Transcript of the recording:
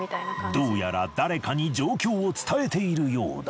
どうやら誰かに状況を伝えているようだ。